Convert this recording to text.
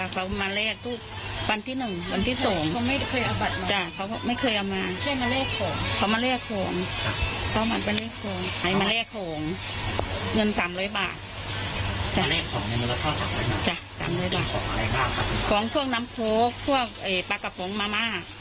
พ่อที่เสียชีวิตเนี่ยครับมาด้วยมั้ยครับ